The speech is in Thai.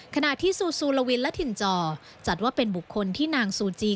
ขณะที่ซูซูลาวินและถิ่นจอจัดว่าเป็นบุคคลที่นางซูจี